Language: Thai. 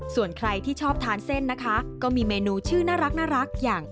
ส่วนใครที่ชอบทานเส้นนะคะก็มีเมนูชื่อน่ารักอย่าง